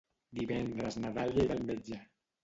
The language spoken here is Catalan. Divendres na Dàlia irà al metge.